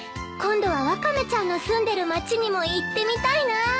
今度はワカメちゃんの住んでる町にも行ってみたいな。